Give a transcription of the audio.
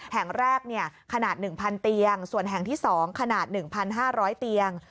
แห่งแรกขนาด๑๐๐เตียงส่วนแห่งที่๒ขนาด๑๕๐๐เตียง